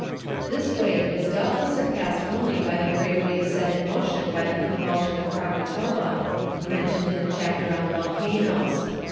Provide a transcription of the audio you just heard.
] This wave is doubtless surpassed only by the great wave set in motion by the convulsion of Krakatoa, mentioned in the chapter on volcanoes.